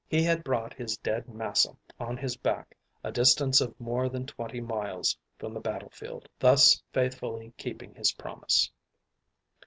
He had brought his dead "massa" on his back a distance of more than twenty miles from the battle field, thus faithfully keeping his promise.